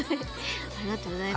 ありがとうございます。